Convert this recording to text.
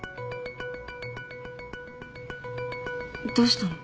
どうしたの？